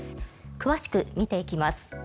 詳しく見ていきます。